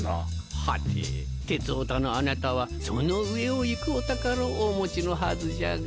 はて鉄オタのあなたはその上を行くお宝をお持ちのはずじゃが。